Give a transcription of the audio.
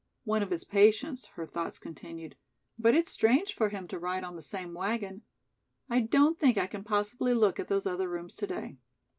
"One of his patients," her thoughts continued, "but it's strange for him to ride on the same wagon. I don't think I can possibly look at those other rooms today."